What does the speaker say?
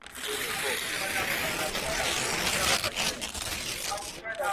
د شنه ارغند، د سپین کابل او د بوُدا لوري.